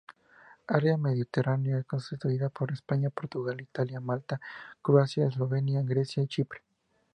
Área mediterránea: Constituida por España, Portugal, Italia, Malta, Croacia, Eslovenia, Grecia y Chipre.